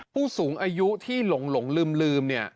ผู้สูงอายุที่หลงลืม